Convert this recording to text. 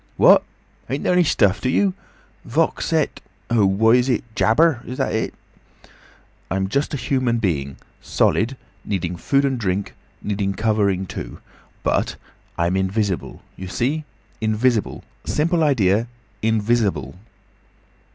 "What! Ain't there any stuff to you. Vox et—what is it?—jabber. Is it that?" "I am just a human being—solid, needing food and drink, needing covering too—But I'm invisible. You see? Invisible. Simple idea. Invisible."